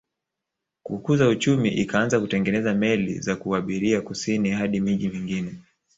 Kukuza uchumi ikaanza kutengeneza meli za kuabiria kusini hadi miji mingine